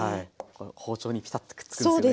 包丁にピタッとくっつくんですよね。